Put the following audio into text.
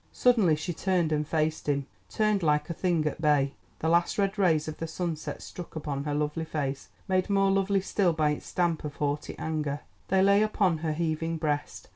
Suddenly she turned and faced him—turned like a thing at bay. The last red rays of the sunset struck upon her lovely face made more lovely still by its stamp of haughty anger: they lay upon her heaving breast.